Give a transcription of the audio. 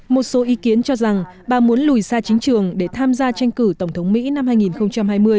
một số ý kiến cho rằng bà muốn lùi xa chính trường để tham gia tranh cử tổng thống mỹ năm hai nghìn hai mươi